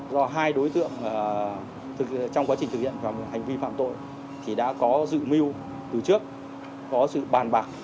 do hai đối tượng trong quá trình thực hiện hành vi phạm tội thì đã có dự mưu từ trước có sự bàn bạc